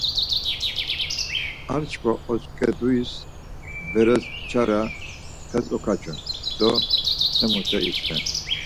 Ar çkva otzǩeduis beres nç̌ara xes okaçun do hemute isten.